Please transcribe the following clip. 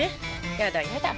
やだやだ。